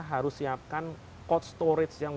harus siapkan cold storage yang